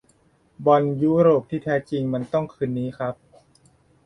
บอลยุโรปที่แท้จริงมันต้องคืนนี้ครับ !